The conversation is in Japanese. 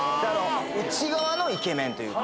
内側のイケメンという。